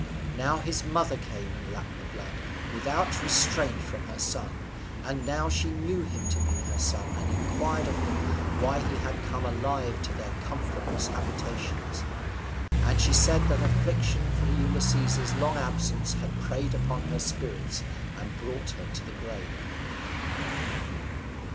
Now his mother came and lapped the blood, without restraint from her son, and now she knew him to be her son, and inquired of him why he had come alive to their comfortless habitations. And she said that affliction for Ulysses's long absence had preyed upon her spirits, and brought her to the grave.